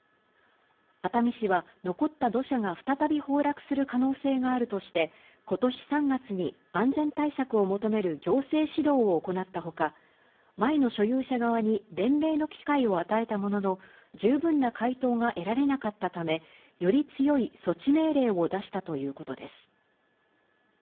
熱海市は残った土砂が再び崩落する可能性があるとして、ことし３月に安全対策を求める行政指導を行ったほか、前の所有者側に弁明の機会を与えたものの、十分な回答が得られなかったため、より強い措置命令を出したということです。